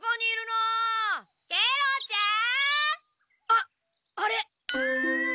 あっあれ。